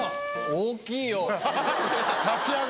大きいよ。